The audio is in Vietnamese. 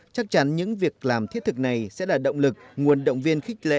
chắc chắn những việc làm thiết thực này sẽ là động lực nguồn động viên khích lệ